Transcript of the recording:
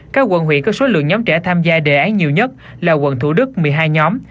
các quận huyện có số lượng nhóm trẻ tham gia đề án nhiều nhất là quận thủ đức một mươi hai nhóm